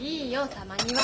たまには。